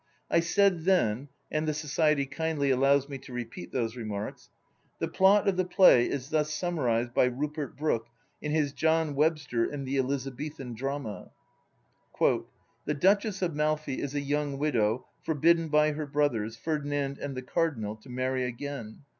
I said then (and the Society kindly allows me to repeat those remarks) : The plot of the play is thus summarized by Rupert Brooke in his "John Webster and the Elizabethan Drama": "The Duchess of Malfi is a young widow forbidden by her brothers, Ferdinand and the Cardinal, to marry again.